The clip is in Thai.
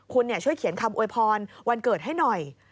คุณช่วยเขียนคำโวยพรวันเกิดให้หน่อย